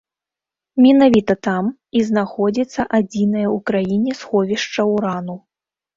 Менавіта там і знаходзіцца адзінае ў краіне сховішча ўрану.